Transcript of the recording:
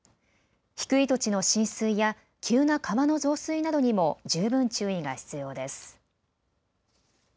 低い土地の浸水や急な川の増水などにも十分注意が必要です。